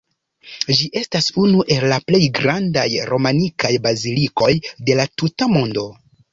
Ĝi estas unu el la plej grandaj romanikaj bazilikoj de la tuta mondo.